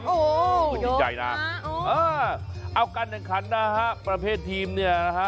โอ้ดีใจนะโอ้เอาการหนังคันนะฮะประเภททีมเนี่ยนะฮะ